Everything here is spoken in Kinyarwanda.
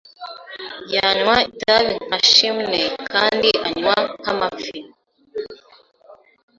Yanywa itabi nka chimney kandi anywa nk'amafi.